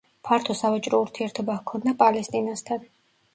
ფართო სავაჭრო ურთიერთობა ჰქონდა პალესტინასთან.